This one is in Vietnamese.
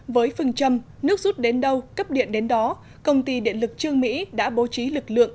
với phương châm nước rút đến đâu cấp điện đến đó công ty điện lực trương mỹ đã bố trí lực lượng